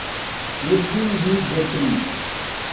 Edwin B. Guthrie.